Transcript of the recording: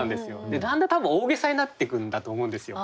でだんだん多分大げさになってくんだと思うんですよ。